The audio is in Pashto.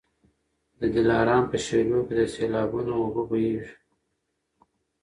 د دلارام په شېلو کي د سېلابونو اوبه بهیږي.